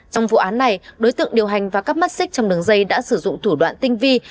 trong vụ án này đối tượng điều hành và cắp mắt xích trong đường dây đã sử dụng thủ đoạn tinh vi